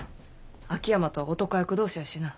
秋山とは男役同士やしな。